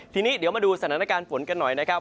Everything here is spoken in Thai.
ทีนี้เดี๋ยวมาดูสถานการณ์ฝนกันหน่อยนะครับ